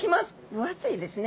分厚いですね。